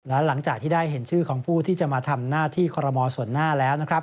และหลังจากที่ได้เห็นชื่อของผู้ที่จะมาทำหน้าที่คอรมอลส่วนหน้าแล้วนะครับ